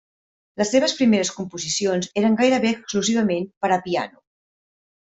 Les seves primeres composicions eren gairebé exclusivament per a piano.